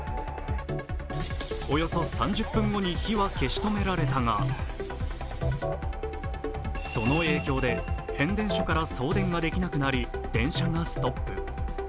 およそ３０分後に火は消し止められたが、その影響で変電所から送電ができなくなり、電車がストップ。